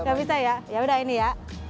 gak bisa ya yaudah ini ya